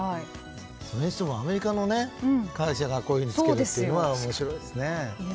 それにしてもアメリカの会社がこういうふうにつけるというのは面白いですね。